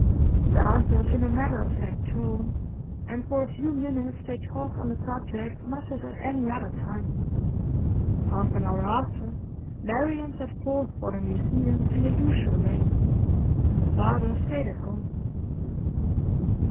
He answered in a matter of fact tone, and for a few minutes they talked on the subject much as at any other time. Half an hour after, Marian set forth for the Museum in the usual way. Her father stayed at home.